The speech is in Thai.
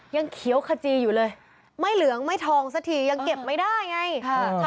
ยังเขียวขจีอยู่เลยไม่เหลืองไม่ทองสักทียังเก็บไม่ได้ไง